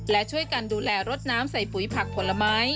และช่วยกันดูแลรดน้ำใส่ปุ๋ยผักผลไม้